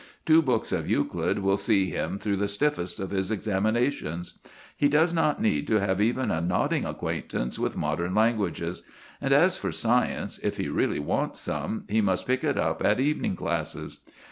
Two books of Euclid will see him through the stiffest of his examinations. He does not need to have even a nodding acquaintance with modern languages; and as for science, if he really wants some, he must pick it up at evening classes.